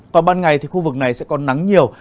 còn ban ngày thì khu vực này sẽ có nắng nhiều